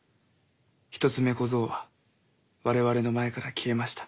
一つ目小僧は我々の前から消えました。